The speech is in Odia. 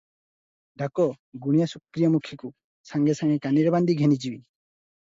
ଡାକ, ଗୁଣିଆ ଶୁକ୍ରିଆ ମୁଖୀକୁ, ସାଙ୍ଗେ ସାଙ୍ଗେ କାନିରେ ବାନ୍ଧି ଘେନିଯିବ ।